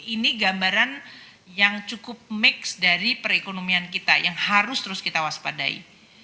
ini gambaran yang cukup mix dari perekonomian kita yang harus terus kita waspadai